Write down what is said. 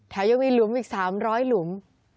ยังมีหลุมอีก๓๐๐หลุม